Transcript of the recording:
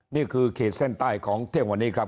นี่คือเขตแส้นใต้ของเท่าวันนี้ครับ